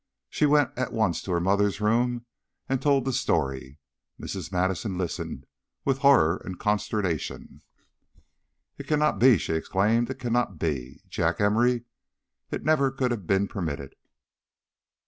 She went at once to her mother's room and told the story. Mrs. Madison listened with horror and consternation. "It cannot be!" she exclaimed. "It cannot be! Jack Emory? It never could have been permitted.